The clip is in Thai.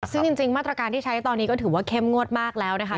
ซึ่งจริงมาตรการที่ใช้ตอนนี้ก็ถือว่าเข้มงวดมากแล้วนะคะ